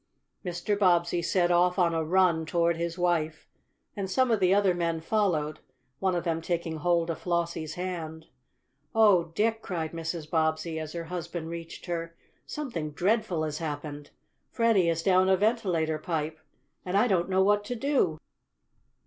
Mr. Bobbsey set off on a run toward his wife, and some of the other men followed, one of them taking hold of Flossie's hand. "Oh, Dick!" cried Mrs. Bobbsey as her husband reached her, "something dreadful has happened! Freddie is down a ventilator pipe, and I don't know what to do!"